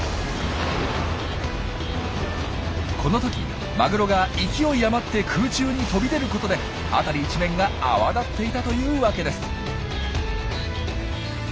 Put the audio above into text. この時マグロが勢い余って空中に飛び出ることで辺り一面が泡立っていたというわけです。